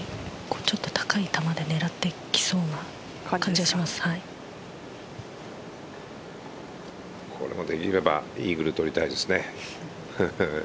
ちょっと高い球で狙ってきそうなこれもできればイーグル取りたいですね。